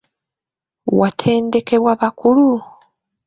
Watendekebwa bakulu?